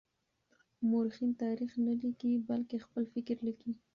مورخين تاريخ نه ليکي بلکې خپل فکر ليکي.